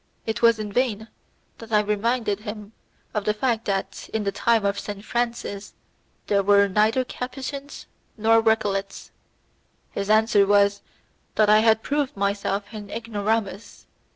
It was in vain that I reminded him of the fact that, in the time of Saint Francis, there were neither Capuchins nor Recollets. His answer was that I had proved myself an ignoramus.